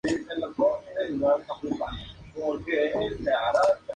El lema Scout es "Siempre Listo", Siempre Preparado.